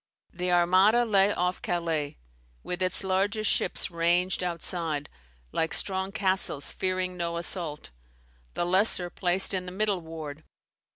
The Armada lay off Calais, with its largest ships ranged outside, "like strong castles fearing no assault; the lesser placed in the middle ward."